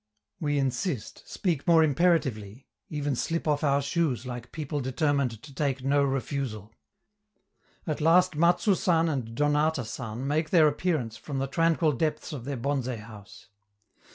We insist, speak more imperatively; even slip off our shoes like people determined to take no refusal. At last Matsou San and Donata San make their appearance from the tranquil depths of their bonze house.